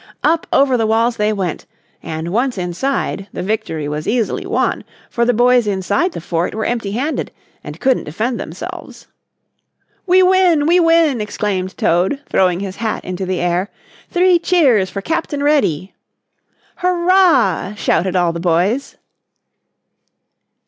Up over the walls they went and once inside the victory was easily won for the boys inside the fort were empty handed and couldn't defend themselves. "We win, we win!" exclaimed Toad, throwing his hat into the air. "Three cheers for Captain Reddy!" "Hurrah!" shouted all the boys.